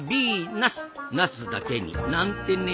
ナスだけになんてね。